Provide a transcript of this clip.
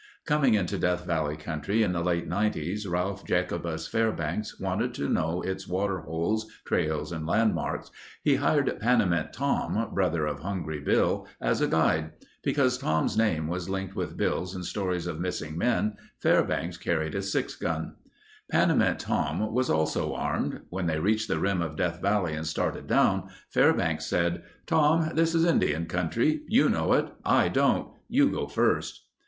Coming into Death Valley country in the late Nineties, Ralph Jacobus Fairbanks wanted to know its water holes, trails, and landmarks. He hired Panamint Tom, brother of Hungry Bill, as a guide. Because Tom's name was linked with Bill's in stories of missing men, Fairbanks carried his six gun. Panamint Tom was also armed. When they reached the rim of Death Valley and started down, Fairbanks said, "Tom, this is Indian country. You know it. I don't. You go first...."